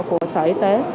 theo chỉ đạo của sở y tế